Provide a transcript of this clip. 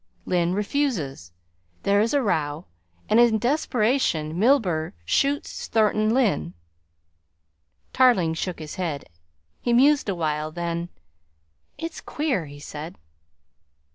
Lyne refuses, there is a row, and is desperation Milburgh shoots Thornton Lyne." Tarling shook his head. He mused a while, then: "It's queer," he said.